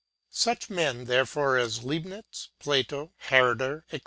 Such men therefore as Leibnitz, Plato, Herder, &c.